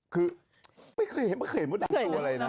คือไม่เคยเห็นไม่เคยเห็นมดดำดูอะไรนะ